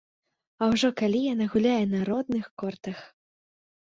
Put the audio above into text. А ўжо калі яна гуляе на родных кортах!